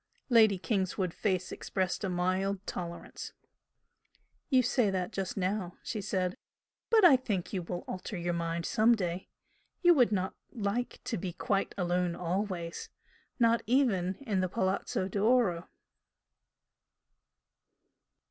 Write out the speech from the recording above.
Lady Kingswood's face expressed a mild tolerance. "You say that just now" she said "But I think you will alter your mind some day! You would not like to be quite alone always not even in the Palazzo d'Oro."